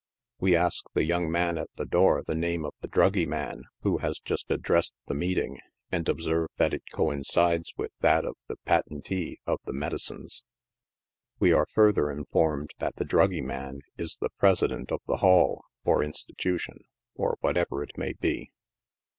We ask the young man at the door the name of the druggy man who has just addressed the meeting, and observe that it coincides with that of the patentee of the medicines. We are further informed that the druggy man is the President of the hall, or institution, or whatever it may be.